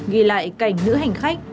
ghi lại cảnh nữ hành khách